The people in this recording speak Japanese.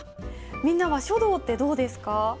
みんなは書道ってどうですか？